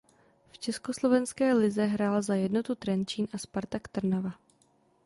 V československé lize hrál za Jednotu Trenčín a Spartak Trnava.